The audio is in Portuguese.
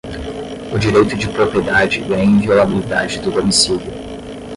o direito de propriedade e a inviolabilidade do domicílio